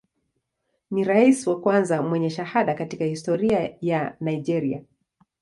Ni rais wa kwanza mwenye shahada katika historia ya Nigeria.